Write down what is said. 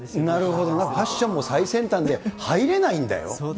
なんファッションも最先端で、入れないんだよ。